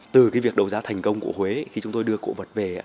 từ cái việc đấu giá thành công của huế khi chúng tôi đưa cổ vật về